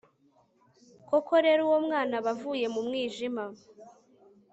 koko rero, uwo mwana aba avuye mu mwijima